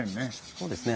そうですね。